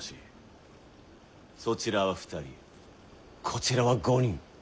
そちらは２人こちらは５人。